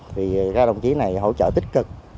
thì các đồng chí này hỗ trợ tích cực